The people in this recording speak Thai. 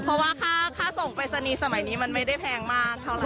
เพราะว่าค่าส่งปริศนีย์สมัยนี้มันไม่ได้แพงมากเท่าไห